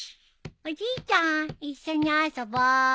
おじいちゃん一緒に遊ぼう。